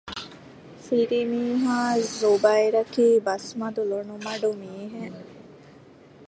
ފިރިމީހާ ޒުބައިރަކީ ބަސްމަދު ލޮނުމަޑު މީހެއް